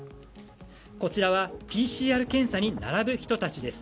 こちらはＰＣＲ検査に並ぶ人たちです。